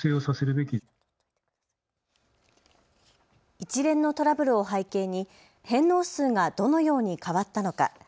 一連のトラブルを背景に返納数がどのように変わったのか。